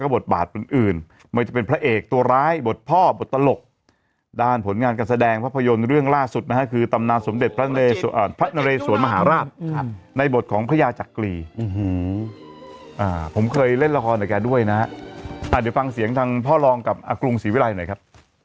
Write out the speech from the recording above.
บทบาทอื่นไม่จะเป็นพระเอกตัวร้ายบทพ่อบทตลกด้านผลงานการแสดงภาพยนตร์เรื่องล่าสุดนะฮะคือตำนานสมเด็จพระนเรสวนมหาราชในบทของพญาจักรีผมเคยเล่นละครกับแกด้วยนะฮะเดี๋ยวฟังเสียงทางพ่อรองกับอากรุงศรีวิรัยหน่อยครับ